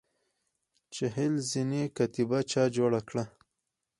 چهل زینې کتیبه چا جوړه کړه؟